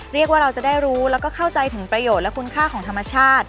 เราจะได้รู้แล้วก็เข้าใจถึงประโยชน์และคุณค่าของธรรมชาติ